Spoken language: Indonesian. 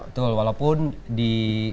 betul walaupun di